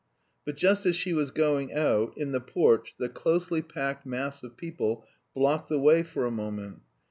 But just as she was going out, in the porch the closely packed mass of people blocked the way for a moment.